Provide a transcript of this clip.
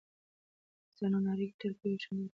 د انسانانو اړیکې تل یو شان نه پاتې کیږي.